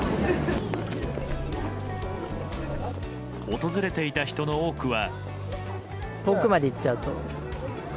訪れていた人の多くは。